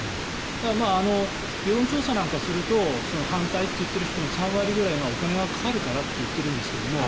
だから、世論調査なんかすると反対と言っている人の３割ぐらいがお金がかかるからって言っているんですけど